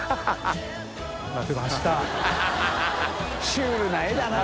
シュールな絵だな。